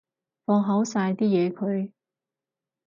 放好晒啲嘢佢